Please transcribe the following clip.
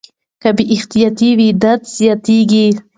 که بې احتیاطي وي درد زیاتېږي.